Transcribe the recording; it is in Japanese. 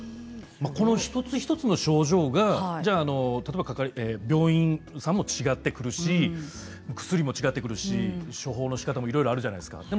一つ一つの症状が例えば、病院で違ってくるし薬も違ってくるし処方のしかたもいろいろあるじゃないですか。